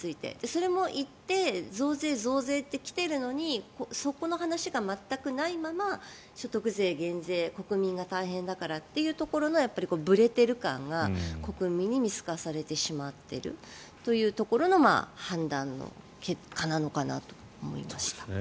それも言って増税、増税と来ているのにそこの話が全くないまま所得税減税国民が大変だからというところのぶれている感が国民に見透かされてしまっているというところの判断の結果なのかなと思いました。